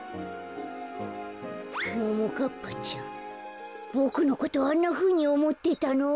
ももかっぱちゃんボクのことあんなふうにおもってたの？